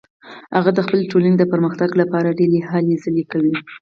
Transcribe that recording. هغه د خپلې ټولنې د پرمختګ لپاره ډیرې هلې ځلې کوي